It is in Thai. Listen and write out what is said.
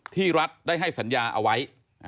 ที่รัฐได้ให้สัญญาเอาไว้